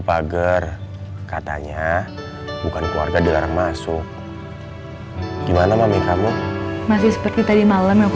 pager katanya bukan keluarga dilarang masuk gimana mami kamu masih seperti tadi malam aku